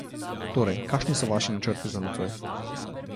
Torej, kakšni so vaši načrti za nocoj?